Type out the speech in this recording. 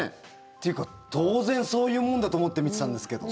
っていうか当然そういうものだと思って見てたんですけど。